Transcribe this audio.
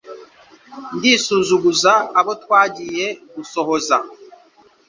Ndi Suzuguza abo twagiye gusohoza.